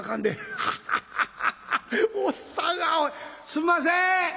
「すんません！